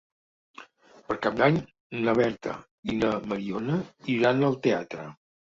Per Cap d'Any na Berta i na Mariona iran al teatre.